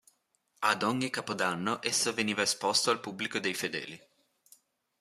Ad ogni Capodanno esso veniva esposto al pubblico dei fedeli.